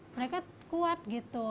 mereka kuat gitu